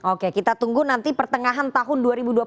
oke kita tunggu nanti pertengahan tahun dua ribu dua puluh satu